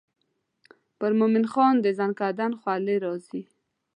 پر مومن خان د زکندن خولې راځي.